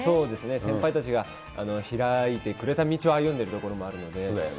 先輩たちが開いてくれた道を歩んでるところもあるので。